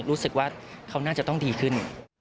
รู้สึกว่าเขาน่าจะต้องดีขึ้น